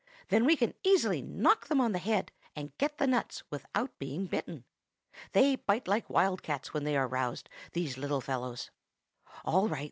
Then we can easily knock them on the head, and get the nuts without being bitten. They bite like wild cats when they are roused, these little fellows.' "'All right!